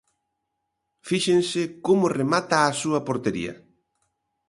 Fíxense como remata á súa portería.